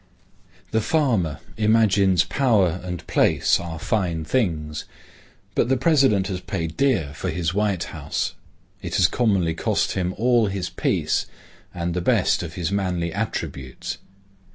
The farmer imagines power and place are fine things. But the President has paid dear for his White House. It has commonly cost him all his peace, and the best of his manly attributes.